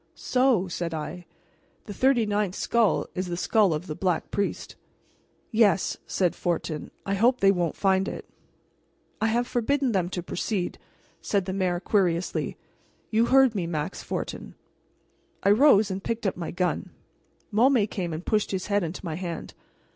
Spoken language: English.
"So," said I, "the thirty ninth skull is the skull of the Black Priest." "Yes," said Fortin. "I hope they won't find it." "I have forbidden them to proceed," said the mayor querulously. "You heard me, Max Fortin." I rose and picked up my gun. Môme came and pushed his head into my hand.